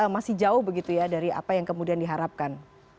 masih jauh begitu ya dari apa yang kemudian diharapkan